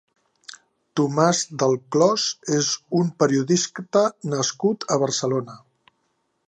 Tomás Delclós és un periodista nascut a Barcelona.